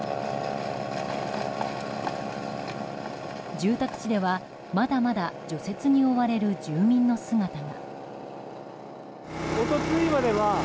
住宅地では、まだまだ除雪に追われる住民の姿が。